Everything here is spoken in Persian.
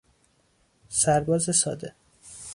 سرباز ساده